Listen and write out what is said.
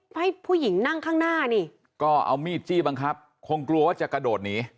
ให้ผู้หญิงนั่งข้างหน้านี่ก็เอามีดจี้บังคับคงกลัวว่าจะกระโดดหนี